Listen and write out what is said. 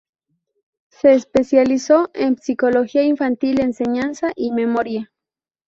Se especializó en psicología infantil, enseñanza y memoria.